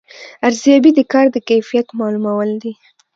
ارزیابي د کار د کیفیت معلومول دي